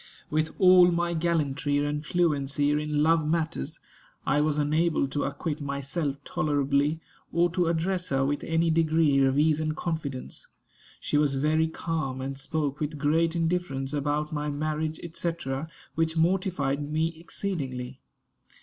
With all my gallantry and fluency in love matters, I was unable to acquit myself tolerably, or to address her with any degree of ease and confidence. She was very calm, and spoke with great indifference about my marriage, &c., which mortified me exceedingly.